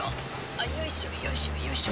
あよいしょよいしょよいしょ。